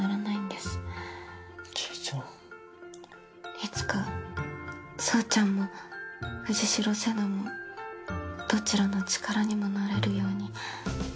いつかそうちゃんも藤代瀬那もどちらの力にもなれるように。